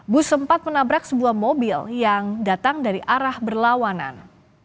bus sempat menabrak sebuah mobil yang datang dari arah berlawanan